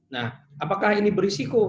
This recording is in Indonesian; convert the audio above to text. nah apakah ini berisiko